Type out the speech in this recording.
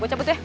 gue cabut ya